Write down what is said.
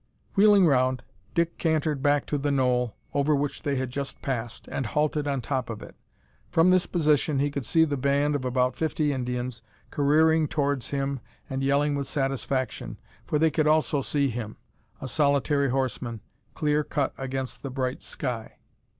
Wheeling round, Dick cantered back to the knoll over which they had just passed and halted on the top of it. From this position he could see the band, of about fifty Indians, careering towards him and yelling with satisfaction, for they could also see him a solitary horseman clear cut against the bright sky.